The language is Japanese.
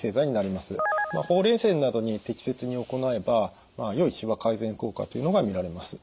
ほうれい線などに適切に行えばよいしわ改善効果というのが見られます。